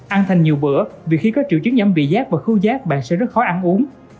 ăn thành nhiều bữa vì khi có triệu chứng giảm vị giác và khư giác bạn sẽ rất khó ăn uống